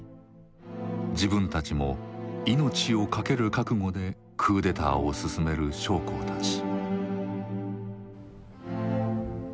自分たちも命を懸ける覚悟でクーデターをすすめる将校たち。